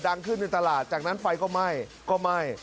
ดังขึ้นในตลาดจากนั้นไฟก็ไหม้ก็ไหม้